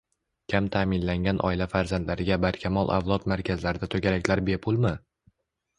Kam ta’minlangan oila farzandlariga “Barkamol avlod” markazlarida to‘garaklar bepulmi?